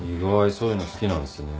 そういうの好きなんすね。